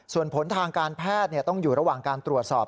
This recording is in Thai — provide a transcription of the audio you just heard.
ส่วนผลทางการแพทย์ต้องอยู่ระหว่างการตรวจสอบ